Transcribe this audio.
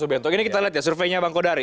ini kita lihat ya surveinya bang kodari